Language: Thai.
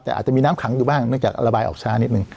แต่อาจจะมีน้ำขังอยู่บ้างเนื่องจากระบายออกช้านิดนึง